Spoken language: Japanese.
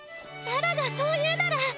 ララがそう言うなら！